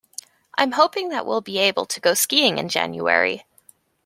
I'm hoping that we'll be able to go skiing in January.